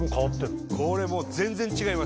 これもう全然違います。